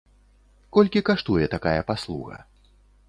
Колькі каштуе такая паслуга?